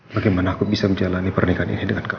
bagaimana aku bisa menjalani pernikahan ini dengan kamu